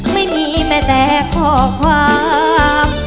ไม่มีแม้แต่ข้อความ